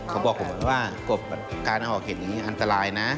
เขาบอกผมว่ากบการหอกหินอย่างนี้อันตรายนะ